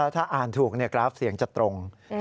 ถ้าอ่านถูกกราฟเสียงจะตรง